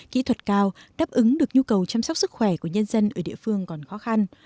kỹ thuật cao đáp ứng được nhu cầu chăm sóc sức khỏe của nhân dân ở địa phương còn khó khăn